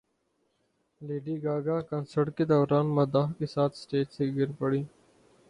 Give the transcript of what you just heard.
lady Gaga concert کے دوران مداح کے ساتھ اسٹیج سے گر پڑیں